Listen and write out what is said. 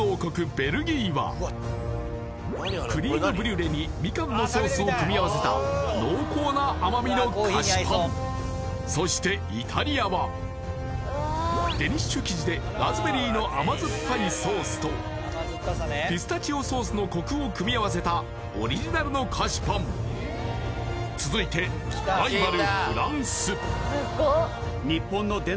ベルギーはクリームブリュレにみかんのソースを組み合わせた濃厚な甘みの菓子パンそしてイタリアはデニッシュ生地でラズベリーの甘酸っぱいソースとピスタチオソースのコクを組み合わせたオリジナルの菓子パン続いてライバル